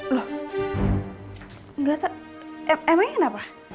loh gak tau emang ini kenapa